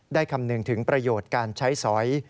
คำนึงถึงประโยชน์การใช้สอย